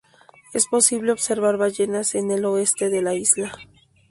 Es posible observar ballenas en el oeste de la isla.